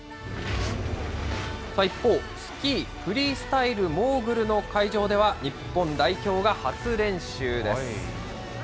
一方、スキーフリースタイルモーグルの会場では、日本代表が初練習です。